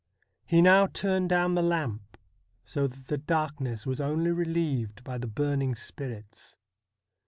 He now turned down the lamp, so that the darkness was only relieved by the burning spirits.